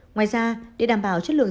ngoài ra để đảm bảo chất lượng